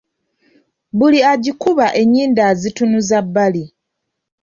Buli agikuba enyindo azitunuza bbali.